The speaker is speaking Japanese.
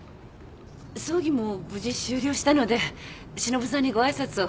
葬儀も無事終了したのでしのぶさんにごあいさつを。